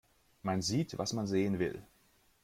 Man sieht, was man sehen will.